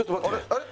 あれ？